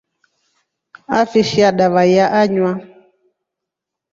Afishia dava ya anywa.